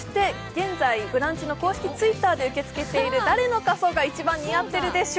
現在、「ブランチ」の公式Ｔｗｉｔｔｅｒで受け付けている、「誰の仮装が一番似合ってるで賞！」